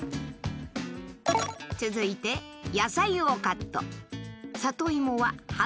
続いて野菜をカット。